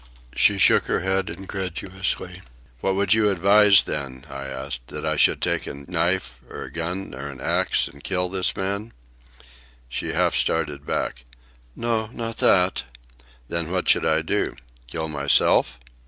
She shook her head incredulously. "What would you advise, then?" I asked. "That I should take a knife, or a gun, or an axe, and kill this man?" She half started back. "No, not that!" "Then what should I do? Kill myself?"